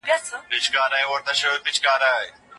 که تاسو منډه ووهئ، د وینې رګونه دومره نرمېږي نه.